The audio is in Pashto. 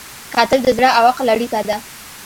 کتل د زړه او عقل اړیکه ده